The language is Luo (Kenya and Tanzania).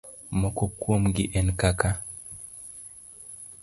Moko kuomgi en kaka: